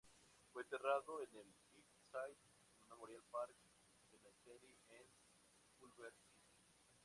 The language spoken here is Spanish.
Fue enterrado en el Hillside Memorial Park Cemetery en Culver City.